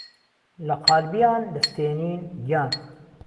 له قالبيان دهستێنین گیان